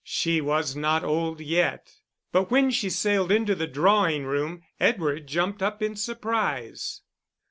She was not old yet. But when she sailed into the drawing room, Edward jumped up in surprise.